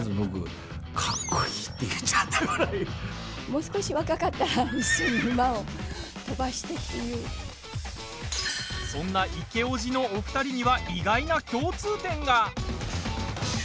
もう少し若かったらそんなイケオジのお二人には意外な共通点が。